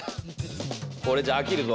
これじゃああきるぞ。